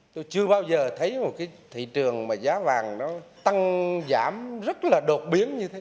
tôi chưa bao giờ thấy một cái thị trường mà giá vàng nó tăng giảm rất là đột biến như thế